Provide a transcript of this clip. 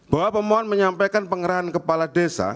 bahwa pemohon menyampaikan pengerahan kepala desa